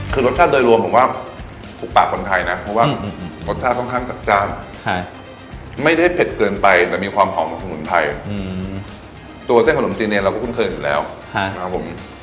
คือรสชาติโดยรวมผมว่าถูกปากคนไทยนะเพราะว่ารสชาติค่อนข้างจัดจ้านไม่ได้เผ็ดเกินไปแต่มีความหอมของสมุนไพรตัวเส้นขนมจีนเนี่ยเราก็คุ้นเคยอยู่แล้วนะครับผม